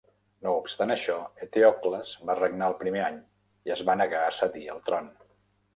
No obstant això, Eteocles va regnar el primer any i es va negar a cedir el tron.